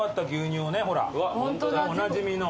おなじみの。